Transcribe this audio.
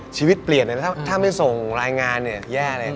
ชีวิตเปลี่ยนเลยถ้าไม่ส่งรายงานเนี่ยแย่เลย